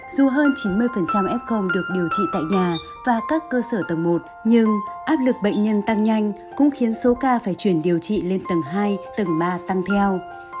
dù hơn chín mươi f được điều trị tại nhà và các cơ sở tầng một nhưng áp lực bệnh nhân tăng nhanh cũng khiến số ca phải chuyển điều trị lên tầng hai tầng ba tăng theo